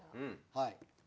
はい。